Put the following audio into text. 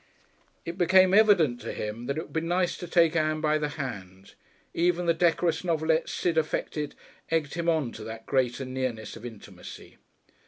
It became evident to him that it would be nice to take Ann by the hand; even the decorous novelettes Sid affected egged him on to that greater nearness of intimacy.